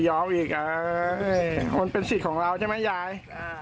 อีกมันเป็นสิทธิ์ของเราใช่ไหมยาย